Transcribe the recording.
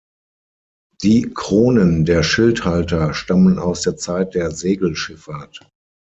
Die Kronen der Schildhalter stammen aus der Zeit der Segelschifffahrt.